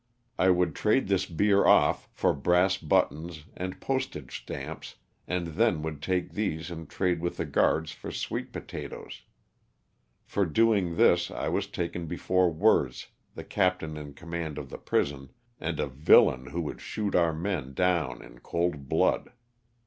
I would trade this beer off for brass buttons and postage stamps and then would take these and trade with the guards for sweet potatoes. For doing this, I was taken before Werz, the captain in command of the prison, and a villain who would shoot our men down in cold blood.